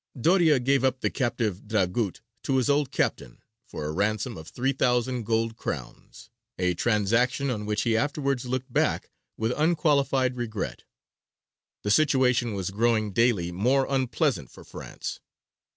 Doria gave up the captive Dragut to his old captain for a ransom of three thousand gold crowns a transaction on which he afterwards looked back with unqualified regret. The situation was growing daily more unpleasant for France.